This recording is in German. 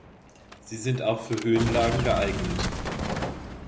Sie sind auch für Höhenlagen geeignet.